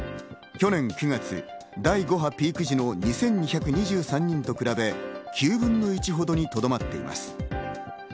去年９月、第５波ピーク時の２２２３人と比べ、９分の１ほどにとどまっています。